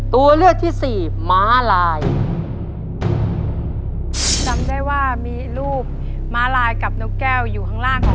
ตัวเลือดที่๓ม้าลายกับนกแก้วมาคอ